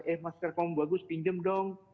eh masker kamu bagus pinjam dong